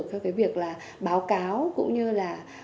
theo cái việc là báo cáo cũng như là